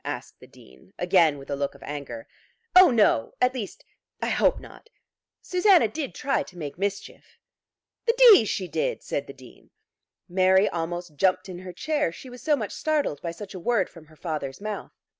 asked the Dean, again with a look of anger. "Oh no, at least I hope not. Susanna did try to make mischief." "The d she did," said the Dean. Mary almost jumped in her chair, she was so much startled by such a word from her father's mouth.